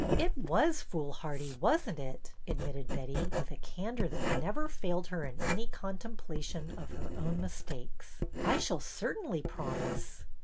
''It was foolhardy, wasn't it?" admitted Betty, with a candor that never failed her in any contemplation of her own mistakes. " I shall certainly promise."